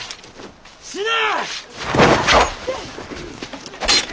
死ね！